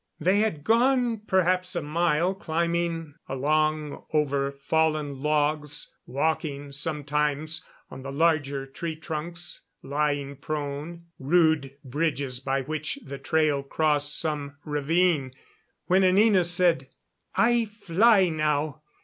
They had gone perhaps a mile, climbing along over fallen logs, walking sometimes on the larger tree trunks lying prone rude bridges by which the trail crossed some ravine when Anina said: "I fly now.